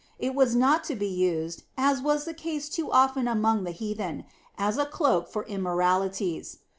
It was not to be used, as was the case too often among the heathen, as a cloak for immoralities.